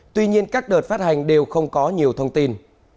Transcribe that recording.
tuy nhiên các đợt phát hành đều không có nhiều thông tin